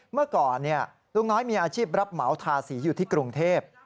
เมื่อก่อนลุงน้อยมีอาชีพรับเหมาทาสีอยู่ที่กรุงเทพ